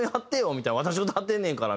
みたいな私歌ってんねんから！